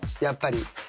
やっぱり。